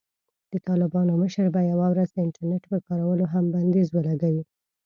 د طالبانو مشر به یوه ورځ د "انټرنېټ" پر کارولو هم بندیز ولګوي.